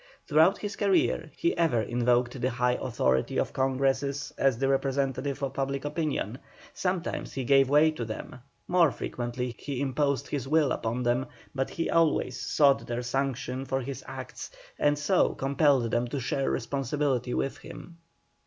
Throughout his career, he ever invoked the high authority of Congresses as the representatives of public opinion; sometimes he gave way to them, more frequently he imposed his will upon them; but he always sought their sanction for his acts, and so compelled them to share responsibility with him.